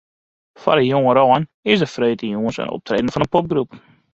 Foar de jongerein is der de freedtejûns in optreden fan in popgroep.